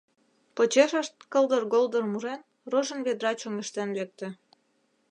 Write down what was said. Почешышт, кылдыр-голдыр мурен, рожын ведра чоҥештен лекте.